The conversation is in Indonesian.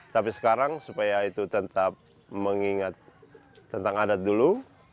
tapi sekarang supaya itu tetap mengingat tentang adat dulu